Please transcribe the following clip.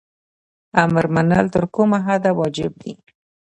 امر منل تر کومه حده واجب دي؟